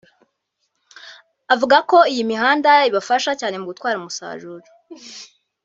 avuga ko iyi mihanda ibafasha cyane mu gutwara umusaruro